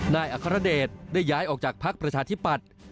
อัครเดชได้ย้ายออกจากพักประชาธิปัตย์